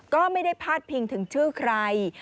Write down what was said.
ก็ไม่ได้พาดพิงถึงชื่อใคร